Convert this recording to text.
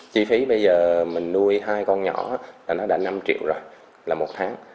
chi phí bây giờ mình nuôi hai con nhỏ là nó là năm triệu rồi là một tháng